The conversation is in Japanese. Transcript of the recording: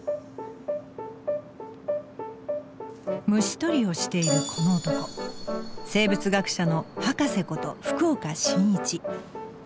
虫捕りをしているこの男生物学者のハカセこと